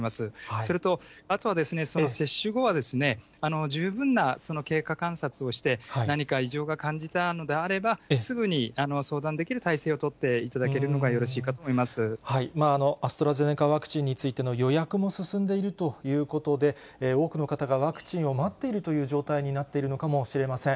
それと、あとは接種後は、十分な経過観察をして、何か異常が感じたのであれば、すぐに相談できる体制を取っていただけるのがよろしいかと思いままあ、アストラゼネカワクチンについての予約も進んでいるということで、多くの方がワクチンを待っているという状態になっているのかもしれません。